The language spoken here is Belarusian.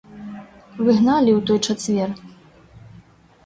Вы гналі ў той чацвер.